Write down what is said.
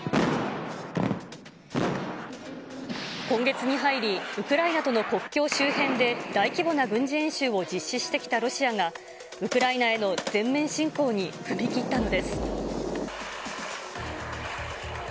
今月に入り、ウクライナとの国境周辺で大規模な軍事演習を実施してきたロシアが、ウクライナへの全面侵攻に踏み切ったのです。